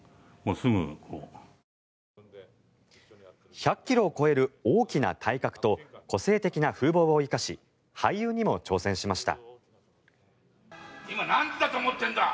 １００ｋｇを超える大きな体格と個性的な風ぼうを生かし俳優にも挑戦しました。